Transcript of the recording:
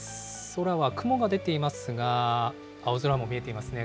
空は雲が出ていますが、青空も見えていますね。